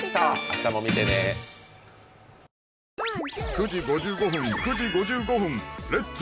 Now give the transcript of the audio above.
９時５５分９時５５分「レッツ！